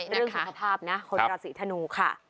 เรื่องสุขภาพนะคนราศีธนูค่ะ